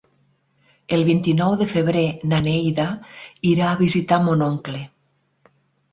El vint-i-nou de febrer na Neida irà a visitar mon oncle.